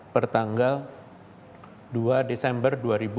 pertanggal dua desember dua ribu dua puluh